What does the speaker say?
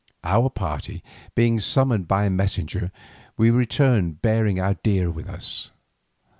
Our party being summoned by a messenger, we returned bearing our deer with us.